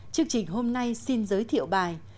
chương trình hôm nay xin giới thiệu bài